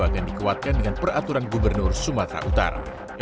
akan dikuatkan dengan peraturan gubernur sumatera utara